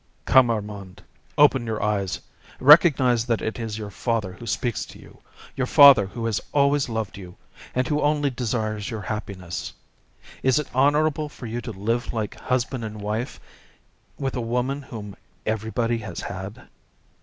"Come, Armand, open your eyes. Recognise that it is your father who speaks to you, your father who has always loved you, and who only desires your happiness. Is it honourable for you to live like husband and wife with a woman whom everybody has had?"